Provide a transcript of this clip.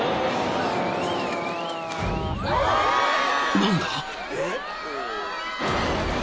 ［何だ！？］